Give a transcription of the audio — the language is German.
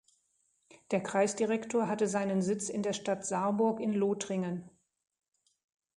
Der Kreisdirektor hatte seinen Sitz in der Stadt Saarburg in Lothringen.